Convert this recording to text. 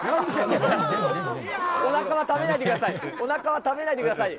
おなかは食べないでください。